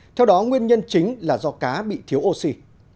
theo đó nguyên nhân chính là do cá bị thiếu oxy